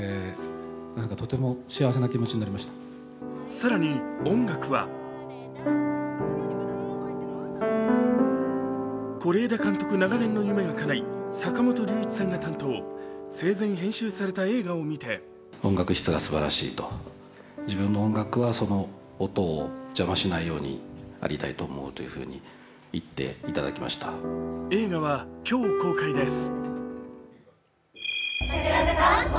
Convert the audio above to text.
更に、音楽は是枝監督の長年の夢がかない坂本龍一さんが担当生前、編集された映画を見て映画は今日、公開です。